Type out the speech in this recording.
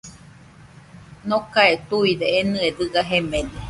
Nokae tuide enɨe dɨga jemede